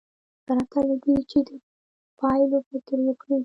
پرته له دې چې د پایلو فکر وکړي.